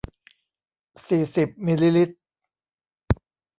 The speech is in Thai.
สี่สิบมิลลิลิตร